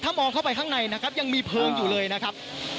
มองเข้าไปข้างในนะครับยังมีเพลิงอยู่เลยนะครับ